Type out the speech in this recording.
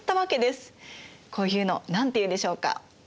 こういうの何て言うんでしょうか？